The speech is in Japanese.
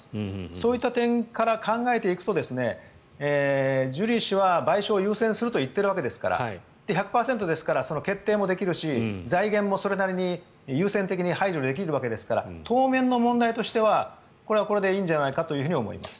そういった点から考えていくとジュリー氏は賠償を優先すると言っているわけですから１００％ですから決定もできるし財源もそれなりに優先的に配慮できるだけですから当面の問題としてはこれはこれでいいんじゃないかと思います。